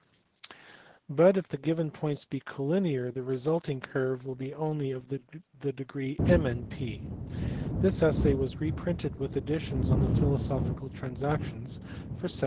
but, if the given points be collinear, the resulting curve will be only of the degree mnp ____ This essay was re printed with additions in the Philosophical Transactions for 1735.